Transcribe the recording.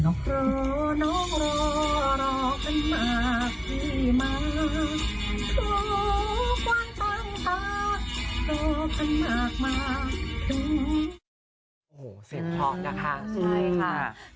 โอ้โหเสียงเพราะนะคะใช่ค่ะ